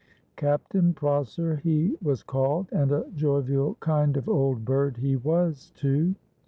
Captain Prosser he was called; and a jovial kind of old bird he was too.